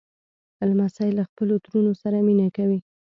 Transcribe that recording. لمسی له خپلو ترونو سره مینه کوي.